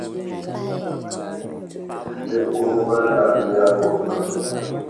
Niŋkurugu maa daa bi yaagi o noli.